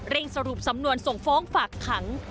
สรุปสำนวนส่งฟ้องฝากขัง